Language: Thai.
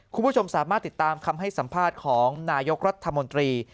คุณผู้ชมสามารถติดตามคำให้สัมภาษณ์ของนายกรัฐมนตรี